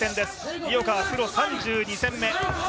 井岡はプロ３２戦目。